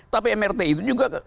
tapi mrt itu juga